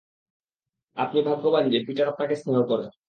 আপনি ভাগ্যবান যে পিটার আপনাকে স্নেহ করে!